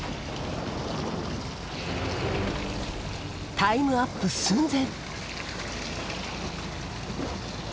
タイムアップ寸前。